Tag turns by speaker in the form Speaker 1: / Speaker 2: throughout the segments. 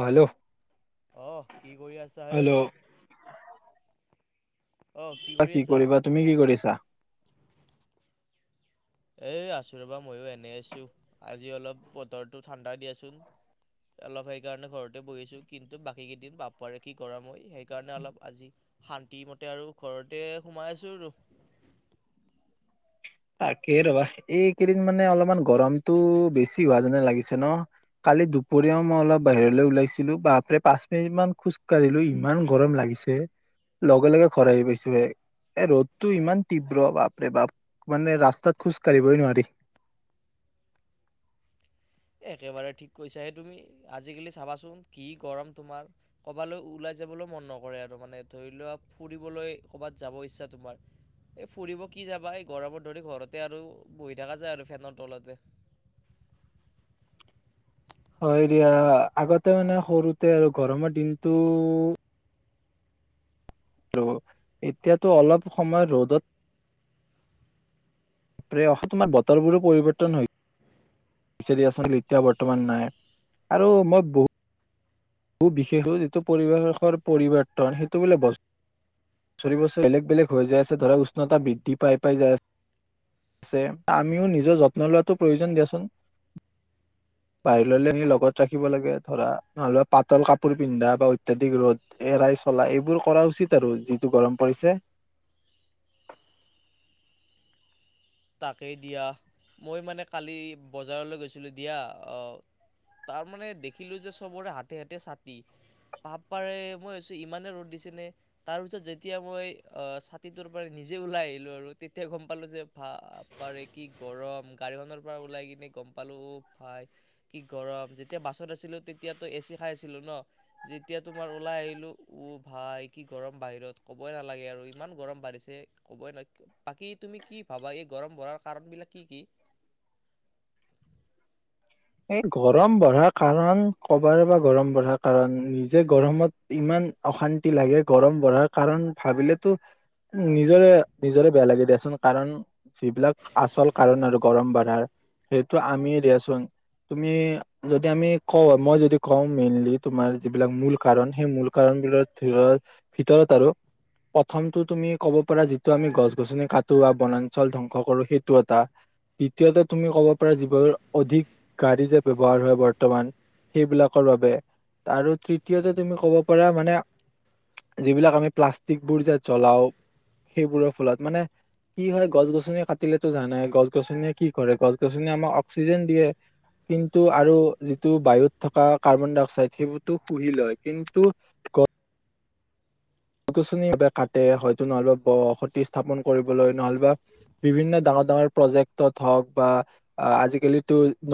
Speaker 1: অ hello
Speaker 2: আহ কি কৰি আছা হে
Speaker 1: হেল্ল'
Speaker 2: অহ কৰি
Speaker 1: কি
Speaker 2: আছা
Speaker 1: কৰিবা তুমি কি কৰিছা
Speaker 2: এ আছোঁ ৰবা মইো এনেই আছো আজি অলপ বতৰটো ঠাণ্ডা দিয়াচোন অলপ সেইকাৰণে ঘৰতে বহি আছো কিন্তু বাকী কেইদিন পাপাৰে কি কৰা মই সেইকাৰণে অলপ আজি শান্তি মতে আৰু ঘৰতে সোমাই আছো আৰু
Speaker 1: তাকে ৰবা এইকেইদিন মানে অলপমান গৰমটো বেছি হোৱা যেনে লাগিছে ন কালি দুপৰীয়াও মই অলপ বাহিৰলৈ ওলাইছিলো বাপৰে পাঁচ মিনিট মান খোজ কঢ়িলো ইমান গৰম লাগিছে লগে লগে ঘৰ আহি পাইছো হ এ ৰ'দটো ইমান তীব্ৰ বাপৰে বাপ মানে ৰাস্তাত খোজ কাঢ়িবই নোৱাৰি
Speaker 2: এ একেবাৰে ঠিক কৈছা হেই তুমি আজিকালি চাবাচোন কি গৰম তোমাৰ ক'বালৈ ওলাই যাবলৈ মন নকৰে আৰু মানে ধৰি লোৱা ফুৰিবলৈ ক'বাত যাব ইচ্ছা তোমাৰ এই ফুৰিব কি যাবা এই গৰমত ধৰি ঘৰতে আৰু বহি থাকা যায় আৰু ফেনৰ তলতে
Speaker 1: হয় দিয়া আগতে মানে সৰুতে আৰু গৰমৰ দিনটো ত' এতিয়াতো অলপ সময় ৰদত বাপৰে অহা তোমাৰ বতৰবোৰো পৰিৱৰ্তন হৈ বিচাৰি আছো এতিয়া বৰ্তমান নাই আৰু মই বহুত বিশেষ যিটো পৰিৱেশৰ পৰিৱৰ্তন সেইটো বোলে বছৰি বছৰি বেলেগ বেলেগ হৈ যাই আছে ধৰা উষ্ণতা বৃদ্ধি পাই পাই যায় আছে আমিও নিজৰ যত্ন লোৱাটো প্ৰয়োজন দিয়াচোন বাহিৰলৈ আমি লগত ৰাখিব লাগে ধৰা নলোৱা পাতল কাপোৰ পিন্ধা বা অত্যাধিক ৰ'দ এৰাই চলা এইবোৰ কৰা উচিত আৰু যিটো গৰম পৰিছে
Speaker 2: তাকেই দিয়া মই মানে কালি বজাৰলৈ গৈছিলো দিয়া আহ তাৰ মানে দেখিলো যে চবৰে হাতে হাতে ছাতি পাপ পাৰে মইছো ইমানে ৰ'দ দিছেনে তাৰ পিছত যেতিয়া মই আহ ছাতিটোৰ পৰা নিজে ওলাই আহিলো আৰু তেতিয়া গম পালো যে বাপেৰে কি গৰম গাড়ীখনৰ পৰা ওলাই কিনে গম পালোঁ ভাই কি গৰম যেতিয়া বাছত আছিলোঁ তেতিয়াতো এ চি খাই আছিলোঁ ন যেতিয়া তোমাৰ ওলাই আহিলোঁ ভাই কি গৰম বাহিৰত ক'বই নালাগে আৰু ইমান গৰম বাঢ়িছে ক'বই ন বাকী তুমি কি ভাবা এই গৰম বঢ়াৰ কাৰণ বিলাক কি কি
Speaker 1: এ গৰম বঢ়া কাৰণ কবাৰ বা গৰম বঢ়া কাৰণ নিজে গৰমত ইমান অশান্তি লাগে গৰম বঢ়াৰ কাৰণ ভাবিলেতো নিজৰে নিজৰে বেয়া লাগে দিয়াচোন কাৰণ যিবিলাক আচল কাৰণ আৰু গৰম বঢ়াৰ সেইটো আমি দিয়াচোন তুমি যদি আমি কওঁ মই যদি কওঁ মেইনলি তোমাৰ যিবিলাক মূল কাৰন সেই মূল কাৰন বিলৰ ভিতৰত আৰু প্ৰথমতটো তুমি ক'ব পাৰা যিটো আমি গছ গছনি কাটোবা বনাঞ্চল ধ্বংস কৰো সেইটো এটা দ্বিতীয়তে তুমি ক'ব পৰা যিবোৰ অধিক গাড়ী যে ব্যৱ্হাৰ হয় বৰ্তমান সেইবিলাকৰ বাবে আৰু তৃতীয়তে তুমি কব পাৰা মানে যিবিলাক আমি প্লাষ্টিক বোৰ যে জ্বলাও সেইবোৰৰ ফলত মানে কি হয় গছ গছনি কাটিলেতটো জানাই গছ গছনিয়ে কি কৰে গছ গছ গছনি আমাক অক্সিজেন দিয়ে কিন্তু আৰু যিটো বায়ুত থকা কাৰ্বন ডাই অক্সাইড সেইবোৰো শুহি লয় কিন্তু গছ গছনি ভাৱে কাটে হয়তো নহলেবা বসতি স্থাপন কৰিবলৈ নহলেবা বিভিন্ন ডাঙৰ ডাঙৰ প্ৰজেক্টত হওক বা আজিকালি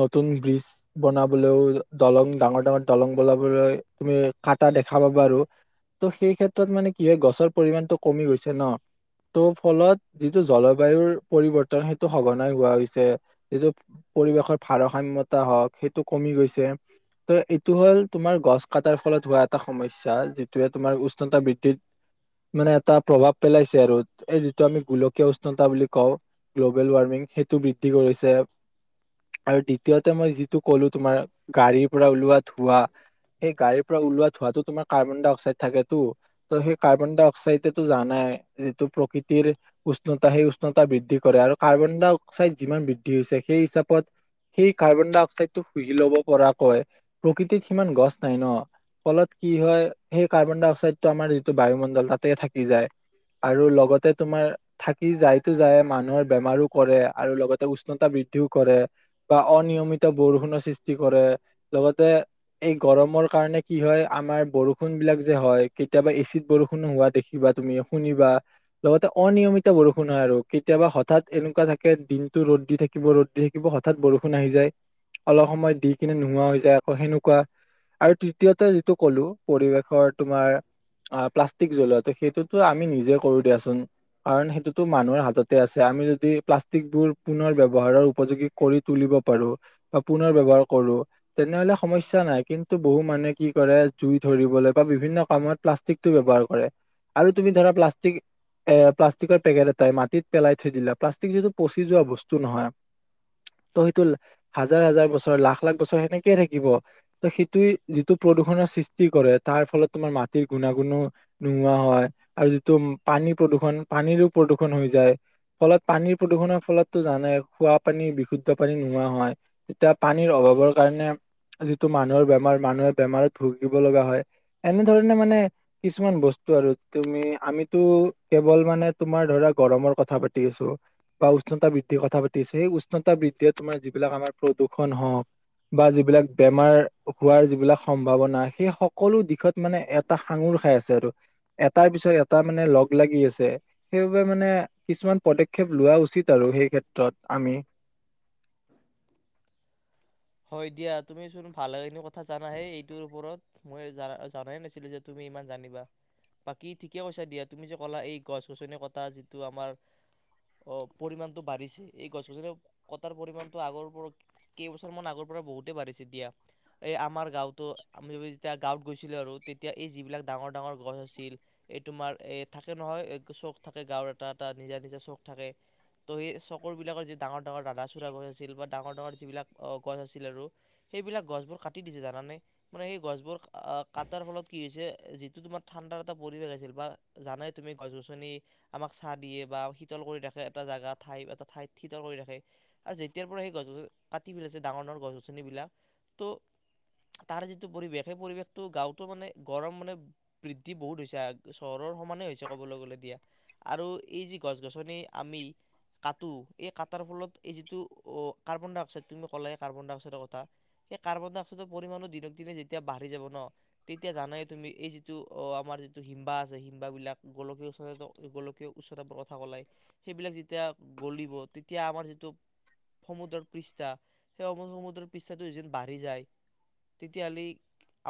Speaker 1: নতুন ব্ৰিজ বনাবলৈও দলং ডাঙৰ ডাঙৰ দলং বনাবলৈ তুমি কটা দেখা পাবাৰ ত সেই ক্ষেত্ৰত মানে কি হয় গছৰ পৰিমানটো কমি গৈছে ন ত' ফলত যিটো জলবায়ুৰ পৰিৱৰ্তন সেইটো সঘনাই হোৱা হৈছে যিটো পৰিৱেশৰ ভাৰসাম্য়তা হওক সেইটো কমি গৈছে ত' এইটো হ'ল তোমাৰ গছ কটাৰ ফলত হোৱা এটা সমস্যা যিটোৱে তোমাৰ উষ্ণতা বৃদ্ধিত মানে এটা প্ৰভাৱ পেলাইছে আৰু এই যিটো আমি গোলকীয় উষ্ণতা বুলি কওঁ গ্ল'বেল ৱাৰ্মিং সেইটো বৃদ্ধি কৰিছে আৰু দ্বিতীয়তে মই যিটো ক'লো তোমাৰ গাড়ীৰ পৰা ওলোৱা ধোঁৱা সেই গাড়ীৰ পৰা ওলোৱা ধোঁৱাতটো তোমাৰ কাৰ্বন ডাই অক্সাইড থাকে ত সেই কাৰ্বন ডাই অক্সাইডটো জানাই যিটো প্ৰকৃতিৰ উষ্ণতা সেই উষ্ণতা বৃদ্ধি কৰে আৰু কাৰ্বন ডাই অক্সাইড যিমান বৃদ্ধি হৈছে সেই হিচাপত সেই কাৰ্বন ডাই অক্সাইড টো শুহি লব পৰাকৈ প্ৰকৃতিত সিমান গছ নাই ন ফলত কি হয় সেই কাৰ্বন ডাই অক্সাই সেইটো আমাৰ যিটো বায়ুমণ্ডল তাতে থাকি যায় আৰু লগতে তোমাৰ থাকি যায়তো যায় মানুহৰ বেমাৰো কৰে আৰু লগতে উষ্ণতা বৃদ্ধিও কৰে বা অনিয়মিত বৰষুণৰ সৃষ্টি কৰে লগতে এই গৰমৰ কাৰণে কি হয় আমাৰ বৰষুণ বিলাক যে হয় কেতিয়াবা এচিড বৰষুণো হোৱা দেখিবা তুমি শুনিবা লগতে অনিয়মিত বৰষুণ হয় আৰু কেতিয়াবা হঠাৎ এনেকুৱা থাকে দিনতটো ৰ'দ দি থাকিব ৰ'দ দি থাকিব হঠাৎ বৰষুণ আহি যায় অলপ সময় দি কিনে নোহোৱা হৈ যায় আকৌ সেনেকুৱা আৰু তৃতীয়তে যিটো ক'লো পৰিৱেশৰ তোমাৰ প্লাষ্টিক জ্বল সেইটোতো আমি নিজে কৰো দিয়াচোন কাৰণ সেইটোতো মানুহৰ হাততে আছে আমি যদি প্লাষ্টিকবোৰ পুনৰ ব্যৱহাৰৰ উপযোগী কৰি তুলিব পাৰো বা পুনৰ ব্যৱহাৰ কৰো তেনেহলে সমস্যা নাই কিন্তু বহু মানুহে কি কৰে জুই ধৰিবলৈ বা বিভিন্ন কামত প্লাষ্টিকটো ব্যৱহাৰ কৰে আৰু তুমি ধৰা প্লাষ্টিক এ প্লাষ্টিকৰ পেকেট এটাই মাটিত পেলাই থৈ দিলা প্লাষ্টিক যিটো পচি যোৱা বস্তু নহয় ত' সেইটো হাজাৰ হাজাৰ বছৰ লাখ লাখ বছৰ সেনেকয়ে থাকিব ত সেইটো যিটো প্ৰদূষণৰ সৃষ্টি কৰে তাৰ ফলত তোমাৰ মা গুণাগুণো নোহোৱা হয় আৰু যিটো পানী প্ৰদূৰ্ষণ পানীৰো প্ৰদূৰ্ষণ হৈ যায় ফলত পানীৰ প্ৰদূষণৰ ফলতো জানে খোৱা পানী বিশুদ্ধ পানী নোহোৱা হয় তেতিয়া পানীৰ অভাৱৰ কাৰণে যিটো মানুহৰ বেমাৰ মানুহৰ বেমাৰত ভুগিব লগা হয় এনে ধৰণে মানে কিছুমান বস্তু আৰু তুমি আমিতো কেৱল মানে তোমাৰ ধৰা গৰমৰ কথা পাতি আছো বা উষ্ণতা বৃদ্ধিৰ কথা পাতি আছো সেই উষ্ণতা বৃদ্ধিয় তোমাৰ যিবিলাক আমাৰ প্ৰদূষন হওঁক বা যিবিলাক বেমাৰ হোৱাৰ যিবিলাক সম্ভাৱনা সেই সকলো দিশত মানে এটা সাঙুৰ খাই আছে আৰু এটাৰ পিছত এটা মানে লগ লাগি আছে সেইবাবে মানে কিছুমান পদক্ষেপ লোৱা উচিত আৰু সেই কেত্ৰত আমি।
Speaker 2: হয় দিয়া তুমি চোন ভালখিনি কথা জানাহে এইটোৰ ওপৰত মই জাই নাছিলো যে তুমি ইমান জানিবা বাকি ঠিকে কৈছা দিয়া তুমি যে ক'লা এই গছ গছনি কটা যিটো আমাৰ অ পৰিমটো বাঢ়িছে এই গছ গছনি কটাৰ পৰিমমানটো আগৰ ওৰত আছলমান আগৰ পৰা বহুতেই বাঢ়িছে দিয়া এই আমাৰ গাঁৱতো আমি যেতিয়া গাঁৱত গৈছিলোঁ আৰু তেতিয়া এই যিবিলাক ডাঙৰ ডাঙৰ গছ আছিল এই তোমাৰ এই থাকে নহয় চ'খ থাকে গাঁৱৰ এটা এটা নিজা নিজা চ'খ থাকে তো সেই চকৰবিলাকৰ যি ডাঙৰ ডাঙৰ দানা চড়া গছ আছিল বা ডাঙৰ ডাঙৰ যিবিলাক অ গছ আছিল আৰু সেইবিলাক গছ বোৰ কাটি দিছে জানানে মানে সেই গছবোৰ কটাৰ ফলত কি হৈছে যিটো তোমাৰ ঠাণ্ডাৰ এটা পৰিৱেশ আছিল বা জানাই তুমি গছ গছনি আমাক চাহ দিয়ে বা শীতল কৰি ৰাখে এটা জোগা ঠাই এটা ঠাইত শীতল কৰি ৰাখে আৰু যেতিয়াৰ পৰা সেই গছ গছনি কাটি পেলাইছে ডাঙৰ ডাঙৰ গছ গছনিবিলাক ত' তাৰে যিটো পৰিৱেশ সেই পৰিৱেশটো গাঁৱতো মানে গৰম মানে বৃদ্ধি বহুত হৈছে চহৰৰ সমানেই হৈছে ক'বলৈ গ'লে দিয়া আৰু এই যি গছ গছনি আমি কাটো এই কাটাৰ ফলত এই যিটো কাৰ্বন ডাই অক্সাইড তুমি ক'লাগ কাৰ্বন ডাই অক্সাইডৰ কথা সেই কাৰ্বন ডাই অক্সাইডৰ পৰিমাণো দিনক দিনে যেতিয়া বাঢ়ি যাব ন তেতিয়া জানাইে তুমি এই যিটো অ আমাৰ যিটো হিম্বা আছে হিমাবলাক গোলকীয় উচ্চ গোলকীয় উচ্চতা লাই সেইবিলাক যেতিয়া গলিব তেতিয়া আমাৰ যিটো সমুদ্ৰৰ পৃষ্ঠা সেই সম সমুদ্ৰৰ পৃষ্ঠাটো যিন বাঢ়ি যায়। তেতিয়াহলেি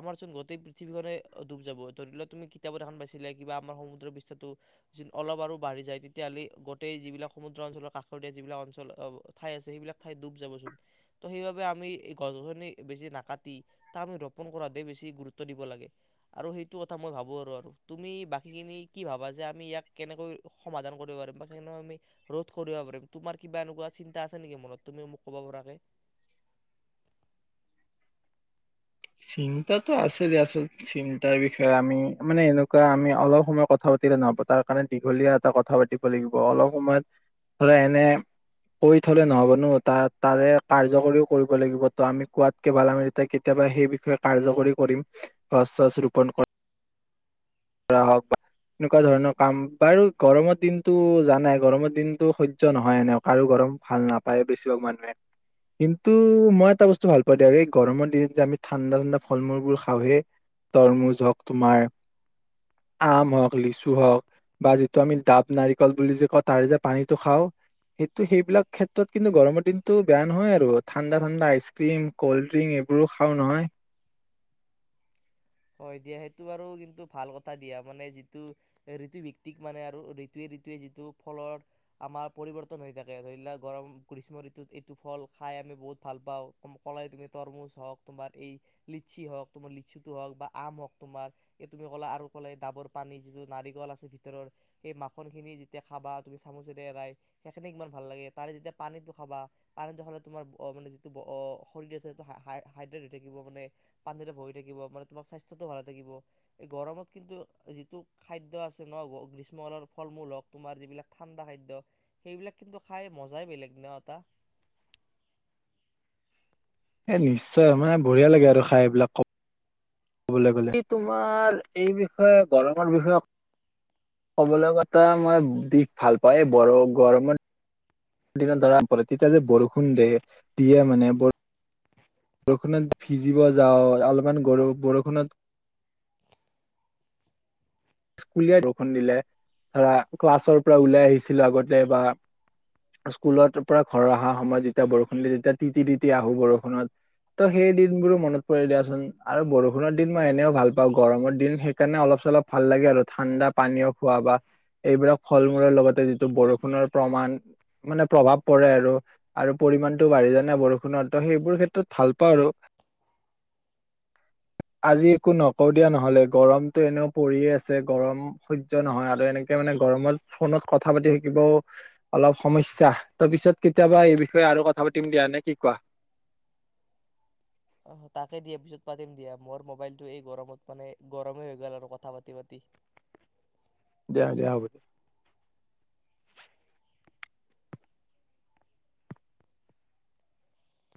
Speaker 2: আমাৰ চোন গোটেই পৃথিৱীখনে ডুব যাবধৰি লোৱাক তুমি কিতাপত দেখোন পাইছিলা কিবা আমাৰ সমুদ্ৰৰ পৃষ্ঠছো য অলপ আৰু বাঢ়ি যায় তেতিয়াহ'লে গোটেই যিবিলাক সমুদ্ৰ অঞ্চলৰ কাষৰীয়া যিবিলাক অঞ্চল ঠাই আছে সেইবিলাক ঠাইত ডুব যাবচোন। ত' সেইবাবে আমি এই গছ গছনি বেছি নাকাটি তাক আমি ৰোপণ কৰাতে বেছি গুৰুত্ব দিব লাগে আৰু সেইটো কথা মই ভাবোঁ আৰু আৰু তুমি বাকীখিনি কি ভাবা যে আমি ইয়াক কেনেকৈ সমাধান কৰিব পাৰিম বা কেনেকৈ আমি ৰোধ কৰিব পাৰিম তোমাৰ কিবা এনেকুৱা চিন্তা আছে নেকি মনত তুমি মোক ক'ব পৰাৰ যে
Speaker 1: চিন্তটো আছে দ আচল চিন্তাৰ বিষয়ে আমি মানে এনেকুৱা আমি অলপ সময় কথা পাতিলে নহব তাৰ কাৰণে দীঘলীয়া এটা কথা পাতিব লাগিব অলপ সময় ধৰা এনে কৈ থলে নহব নো তাৰ তাৰে কাৰ্যকৰীও কৰিব লাগিব ত আমি কোৱাতকে ভাল আমিতিয়া কেতিয়াবা সেই বিষয়ে কাৰ্যকৰী কৰিম গছ চছ ৰোপন কৰা। কৰা হওঁক বা এনেকুৱা ধৰণৰ কাম বাৰু গৰমৰ দিনটো জানাই গৰমৰ দিনটো সহ্য নহয় এনে আৰু গৰম ভাল নাপায় বেছিভাগ মানুহে কিন্তু মই এটা বস্তু ভাল পা দিয়ক এই গৰমৰ দিন যে আমি ঠাণ্ডা ঠাণ্ডা ফল মূলবোৰ খাওঁহে তৰমুজ হওঁক তোমাৰ আম হওঁক লিচু হওঁক বা যিটো আমি ডাব নাৰিকল বুলি যে কওঁ তাৰে যে পানীটো খাওঁ সেইটো সেইবিলাক ক্ষেত্ৰত কিন্তু গৰমৰ দিনতটো বেয়া নহয় আৰু ঠাণ্ডা ঠাণ্ডা আইচক্ৰীম কল্ড ড্ৰিংক এইবোৰো খাওঁ নহয়
Speaker 2: হয় দিয়া সেইটো বাৰু কিন্তু ভাল কথা দিয়া মানে যিটো ঋতু ভিত্তিক মানে আৰু ঋতুয়ে ঋতয়ে যিটো ফলৰ আমাৰ পৰিৱৰ্তন হৈ থাকে ধৰি লা গৰম গ্ৰীষ্ম ঋতুত এইটো ফল খাই আমি বহুত ভাল পাওঁ কলাই তুমি তৰমুজ হওঁক তোমাৰ এই লিচি হওঁক তোমাৰ লিচুটো হওঁক বা আমক তোমাৰ এই তুমি ক'লা আৰু ক'লে ডাবৰ পানী যিটো নাৰিকল আছে ভিতৰ সেই মাখনন খিনি যেতিয়া খাবা তুমি চামুচেৰে এৰাই সেইখিনি ইমান ভাল লাগে তাৰে যেতিয়া পানীটো খাবা পানীটো খালে তোমাৰ মানে যিটো শৰীৰ আছে সেইটো হ হাইড্ৰেট হৈ থাকিব মানে পানীৰে ভয় থাক মানে তোমাৰ স্বাস্থ্য স্বাস্থ্যতটো ভালে থাকিব এই গৰমত কিন্তু যিটো খাদ্য আছে ন গ্ৰীষ্মকালৰ ফল মূল হওঁক তোমাৰ যিবিলাক ঠাণ্ডা খাদ্য সেইবিলাক কিন্তু খাই মজাই বেলেগ ন এটা।
Speaker 1: এই নিশ্চয় আৰু মানে বঢ়িয়া লাগে আৰু খাই এইবিলাক ক কবলৈ গলে, তোমাৰ এই বিষয়ে গৰমৰ বিষয়ে কবলৈ মই দিশ ভাল পায় ব গৰমৰিনত ধৰা প তেতিয়া যে বৰষুণ দ দিয়ে মানে বৰষুণত ভিজিব যাওঁ, অলপমান গ বৰষুণ স্কুলত বৰষুণ দিলে ধৰা ক্লাছৰ পৰা ওলাই আহিছিলো আগতে বা স্কুলৰ পৰা ঘৰ অহা সময়ত যেতিয়া বৰষুণ দিলে তেতিয়া তিতি তিতি আহো বৰষুণত ত' সেই দিনবোৰো মনত পৰি দিয়াচোন আৰু বৰষুণৰ দিন মই এনেও ভাল পাওঁ গৰমৰ দিন সেইকাৰণে অলপ চলপ ভাল লাগে আৰু ঠাণ্ডা পানী খোৱা বা এইবিলাক ফল মূলৰ লগতে যিটো বৰষুণৰ প্ৰমাণ মানে প্ৰভাৱ পৰে আৰু আৰু পৰিমানতটো বাঢ়ি জানে বৰষুণত সেইবোৰ ক্ষেত্ৰত ভাল পাওঁ আৰু আজি একো নকওঁ দিয়া নহলে গৰমটো এনে পৰিয়ে আছে গৰম সহ্য নহয় আৰু এনেকে মানে গৰমত ফোনত কথা পাতি থাকিবও অলপ সমস্যা তাৰ পিছত কেতিয়াবা এই বিষয়ে আৰু কথা পাতিম দিয়া নে কি কোৱা
Speaker 2: অঁ তাকে দিয়া পিছত পাতিম দিয়া মোৰ মবাইলটো এই গৰমত মানে গৰমে হৈ গল আৰু কথা পাতি পাতি
Speaker 1: দিয়া দিয়া হব।